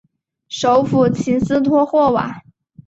首府琴斯托霍瓦。